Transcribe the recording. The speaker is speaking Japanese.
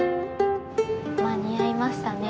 間に合いましたね。